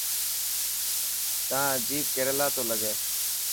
تان عجيب ڪريلا تو لگي.